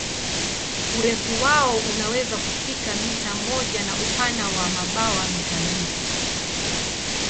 Urefu wao unaweza kufika mita moja na upana wa mabawa mita mbili.